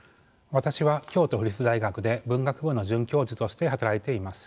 私は京都府立大学で文学部の准教授として働いています。